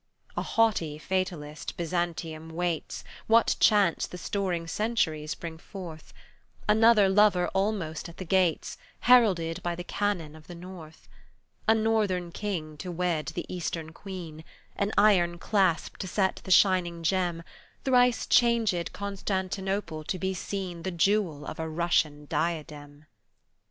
A haughty fatalist Byzantium waits What chance the storing centuries bring forth: Another lover almost at the gates, Heralded by the cannon of the North, A Northern King to wed the Eastern Queen, An iron clasp to set the shining gem, Thrice changed Constantinople to be seen The Jewel of a Russian diadem!